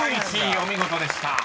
お見事でした］